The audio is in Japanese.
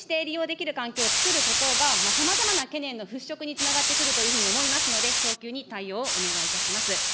安心して利用できる環境を作ることが、さまざまな懸念の払拭につながってくるというふうに思いますので、早急に対応をお願いいたします。